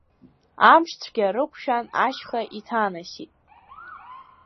Амшцәгьа рықәшәан ашьха иҭанасит.